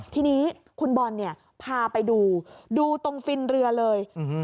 ทีนี้คุณบอลเนี่ยพาไปดูดูตรงฟินเรือเลย